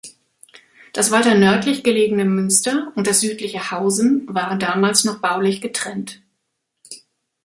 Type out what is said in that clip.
Das weiter nördlich gelegene Münster und das südliche Hausen waren damals noch baulich getrennt.